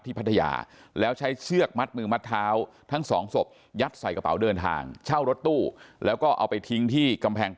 พัทยาแล้วใช้เชือกมัดมือมัดเท้าทั้งสองศพยัดใส่กระเป๋าเดินทางเช่ารถตู้แล้วก็เอาไปทิ้งที่กำแพง